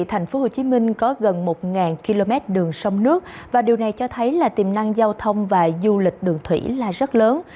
thành phố hồ chí minh có gần một km đường sông nước và điều này cho thấy là tiềm năng giao thông và du lịch đường thủy là rất lớn